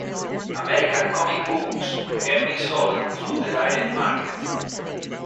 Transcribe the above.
American comic books can be sold through the direct market.